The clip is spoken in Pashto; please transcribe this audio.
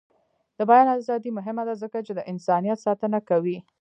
د بیان ازادي مهمه ده ځکه چې د انسانیت ساتنه کوي.